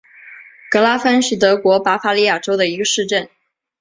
格拉芬是德国巴伐利亚州的一个市镇。